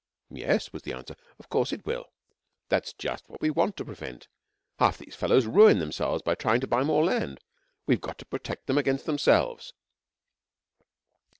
'Yes,' was the answer, 'of course it will. That's just what we want to prevent. Half these fellows ruin themselves trying to buy more land. We've got to protect them against themselves.'